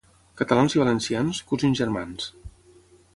Catalans i valencians, cosins germans.